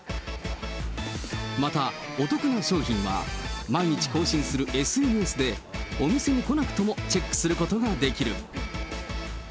また、お得な商品は毎日更新するＳＮＳでお店に来なくとも、チェックすることができる。